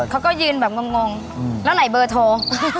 เขาก็ยืนแบบงงแล้วไหนเบอร์โทร